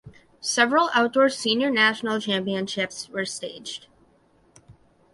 Several outdoor senior national championships were staged.